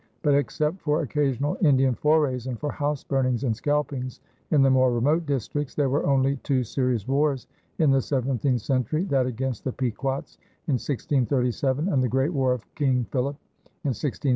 But, except for occasional Indian forays and for house burnings and scalpings in the more remote districts, there were only two serious wars in the seventeenth century that against the Pequots in 1637 and the great War of King Philip in 1675 1676.